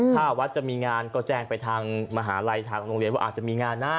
ถ้าวัดจะมีงานก็แจ้งไปทางมหาลัยทางโรงเรียนว่าอาจจะมีงานนะ